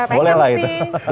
boleh lah itu